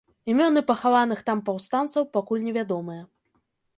Імёны пахаваных там паўстанцаў пакуль невядомыя.